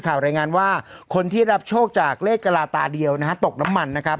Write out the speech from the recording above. รายงานว่าคนที่รับโชคจากเลขกระลาตาเดียวนะฮะตกน้ำมันนะครับ